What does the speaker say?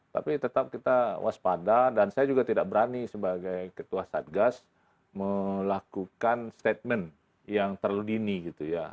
tapi tetap kita waspada dan saya juga tidak berani sebagai ketua satgas melakukan statement yang terlalu dini gitu ya